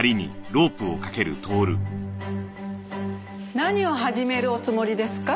何を始めるおつもりですか？